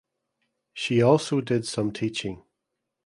She also did some teaching.